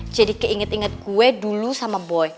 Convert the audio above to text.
jadi keinget inget gue dulu sama boy